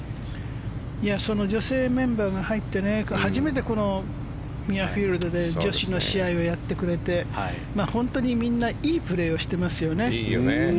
女性メンバーが入って初めてミュアフィールドで女子の試合をやってくれて本当にみんないいプレーをしてますよね。